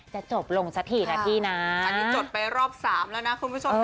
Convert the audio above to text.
จะจบลงสักทีนะพี่นะอันนี้จดไปรอบ๓แล้วนะคุณผู้ชม